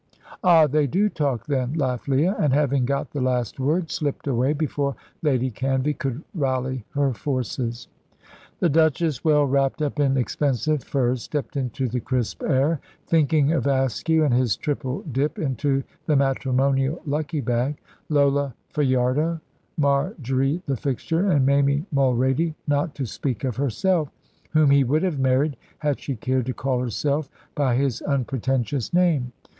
"Ah, they do talk then," laughed Leah, and having got the last word slipped away before Lady Canvey could rally her forces. The Duchess, well wrapped up in expensive furs, stepped into the crisp air, thinking of Askew and his triple dip into the matrimonial lucky bag. Lola Fajardo, Marjory the fixture, and Mamie Mulrady, not to speak of herself, whom he would have married had she cared to call herself by his unpretentious name.